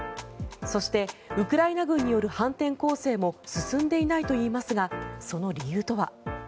そしてウクライナ軍による反転攻勢も進んでいないといいますがその理由とは。